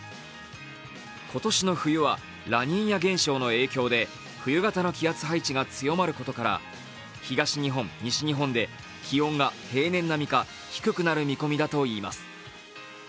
今年の冬はラニーニャ現象の影響で冬型の気圧配置が強まることから、東日本、西日本で気温が平年並みか低くなる見込みだといいます。